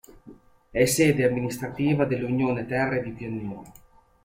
È sede amministrativa dell'Unione Terre di pianura.